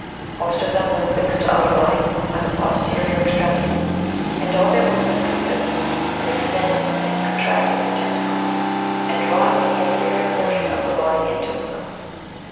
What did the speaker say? Most of them live fixed to other bodies, by the posterior extremity, and all their movement consists in extending and contracting their tentacles, and drawing the an terior portion of the body into itself.